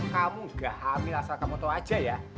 kamu gak hamil asal kamu tau aja ya